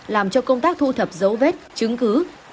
làm cho công tác thu thập dấu vết chứng cứ